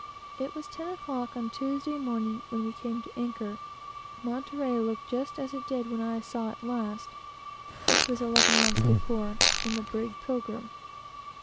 It was ten o'clock on Tuesday morning when we came to anchor. The town looked just as it did when I saw it last, which was eleven months before, in the brig Pilgrim.